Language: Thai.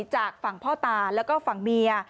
จากฝั่งพ่อตาแล้วก็ฝั่งเมีย